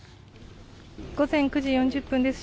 午前９時４０分です。